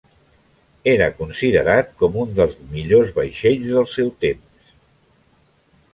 Era considerat com un dels millors vaixells del seu temps.